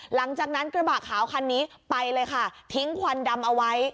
รถกระบะขาวคันนี้ไปเลยค่ะทิ้งควันดำเอาไว้